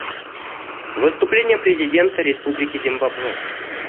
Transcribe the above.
Выступление президента Республики Зимбабве.